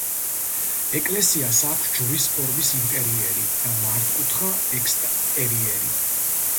ეკლესიას აქვს ჯვრის ფორმის ინტერიერი და მართკუთხა ექსტერიერი.